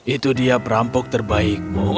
itu dia perampok terbaikmu